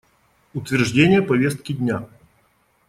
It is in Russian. Утверждение повестки дня.